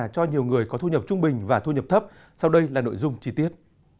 cho nhiều người có thu nhập trung bình và thu nhập thấp sau đây là nội dung chi tiết